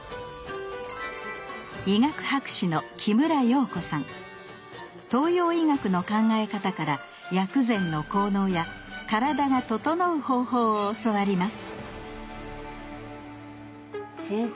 医学博士の東洋医学の考え方から薬膳の効能や体がととのう方法を教わります先生